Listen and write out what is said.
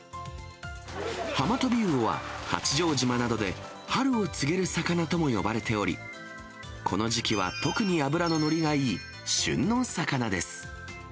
ハマトビウオは、八丈島などで春を告げる魚とも呼ばれており、この時期は特に脂の乗りがいい、旬の魚です。